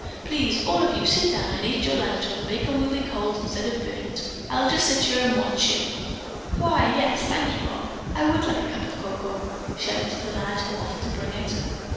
Please, all of you sit down and eat your lunch or the bacon will be cold instead of burned. I'll just sit here and watch you. Why, yes, thank you, Bob, I would like a cup of cocoa," she added to the lad who offered to bring it.